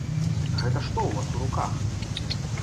Гэта што ў вас у руках?